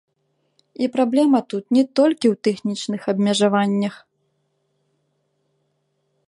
І праблема тут не толькі ў тэхнічных абмежаваннях.